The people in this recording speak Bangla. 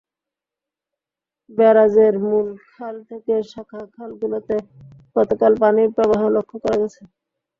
ব্যারাজের মূল খাল থেকে শাখা খালগুলোতে গতকাল পানির প্রবাহ লক্ষ করা গেছে।